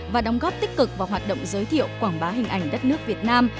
và đóng góp tích cực vào hoạt động giới thiệu quảng bá hình ảnh đất nước việt nam